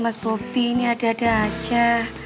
mas bobi ini ada ada aja